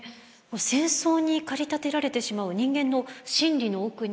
戦争に駆り立てられてしまう人間の心理の奥に何があるのか。